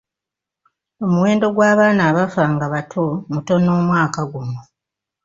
Omuwendo gw'abaana abafa nga bato mutono omwaka guno.